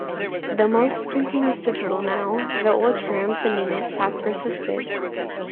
Though most printing is digital now, the old terms and units have persisted.